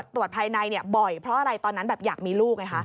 ตรวจภายในบ่อยเพราะตอนนั้นอยากมีลูก